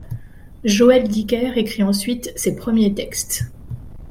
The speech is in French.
Joël Dicker écrit ensuite ses premiers textes.